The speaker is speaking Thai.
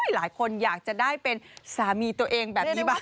หลายคนอยากจะได้เป็นสามีตัวเองแบบนี้บ้าง